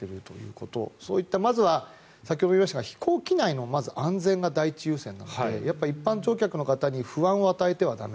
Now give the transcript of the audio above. そういったまずは先ほども言いましたが飛行機内の安全が第一なのでやっぱり一般乗客の方に不安を与えては駄目。